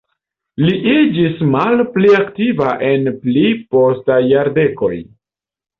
Li iĝis malpli aktiva en pli postaj jardekoj.